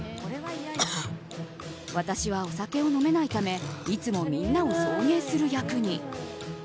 私はお酒を飲めないためいつもみんなを送迎する役に。